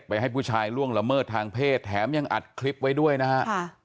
ให้ผู้ชายล่วงละเมิดทางเพศแถมยังอัดคลิปไว้ด้วยนะฮะ